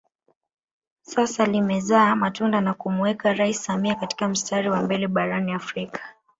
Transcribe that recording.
Sasa limezaa matunda na kumuweka rais Samia katika mstari wa mbele barani Afrika